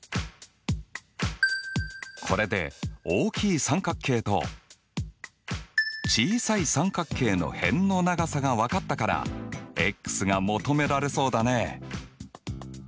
これで大きい三角形と小さい三角形の辺の長さが分かったからｘが求められそうだね。